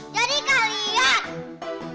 jadi kau lihat